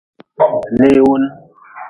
Leewun.